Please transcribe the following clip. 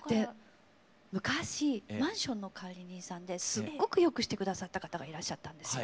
昔マンションの管理人さんですっごく良くして下さった方がいらっしゃったんですよ。